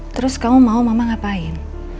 terus kamu mau mama ngapain